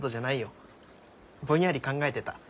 ぼんやり考えてた。